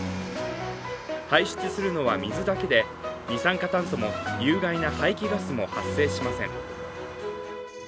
排出するのは水だけで、二酸化炭素も有害な排気ガスも発生しません。